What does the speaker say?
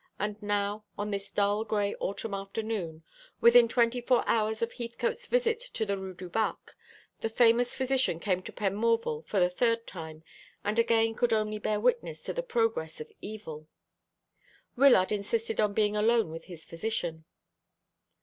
And now, on this dull gray autumn afternoon, within twenty four hours of Heathcote's visit to the Rue du Bac, the famous physician came to Penmorval for the third time, and again could only bear witness to the progress of evil. Wyllard insisted upon being alone with his physician.